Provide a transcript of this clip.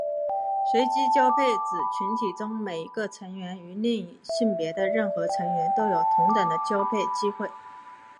随机交配指群体中每一个成员与另一性别的任何成员都有同等的交配机会。